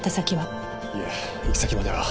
いえ行き先までは。